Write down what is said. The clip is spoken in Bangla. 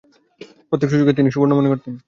প্রত্যেক সুযোগকে তিনি সুবর্ণ মনে করতেন।